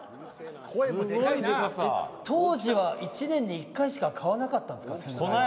当時は１年に１回しか買わなかった。